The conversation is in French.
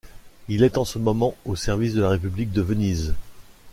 Il est en ce moment au service de la république de Venise.